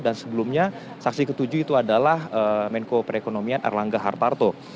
dan sebelumnya saksi ke tujuh itu adalah menko perekonomian erlangga hartarto